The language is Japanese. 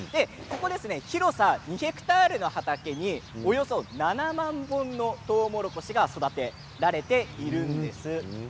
広さが２ヘクタール程およそ７万本のとうもろこしが育てられています。